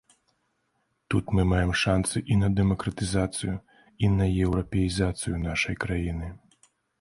Тут мы маем шанцы і на дэмакратызацыю, і на еўрапеізацыю нашай краіны.